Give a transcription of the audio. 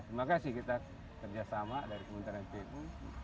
terima kasih kita kerjasama dari kementerian pu